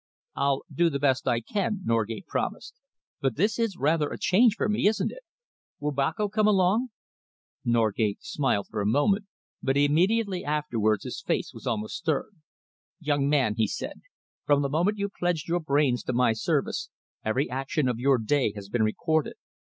"I'll do the best I can," Norgate promised, "but this is rather a change for me, isn't it? Will Boko come along?" Selingman smiled for a moment, but immediately afterwards his face was almost stern. "Young man," he said, "from the moment you pledged your brains to my service, every action of your day has been recorded.